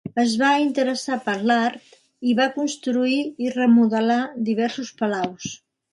Es va interessar per l'art i va construir i remodelar diversos palaus.